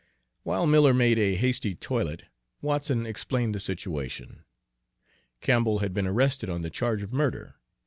While Miller made a hasty toilet Watson explained the situation. Campbell had been arrested on the charge of murder.